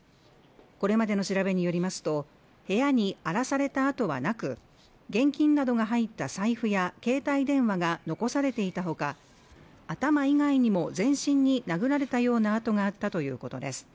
これまでの調べによりますと部屋に荒らされた跡はなく現金などが入った財布や携帯電話が残されていたほか頭以外にも全身に殴られたような痕があったということです